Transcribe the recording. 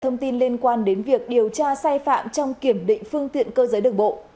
thông tin liên quan đến việc điều tra sai phạm trong kiểm định phương tiện cơ giới đường bộ